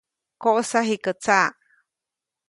‒¡Koʼsa jikä tsaʼ!‒.